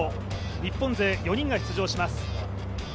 日本勢４人が出場します。